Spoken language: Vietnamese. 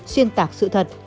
xuyên tạc sự thật